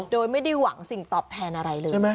โดยไม่ได้หวังสิ่งตอบแทนอะไรเลย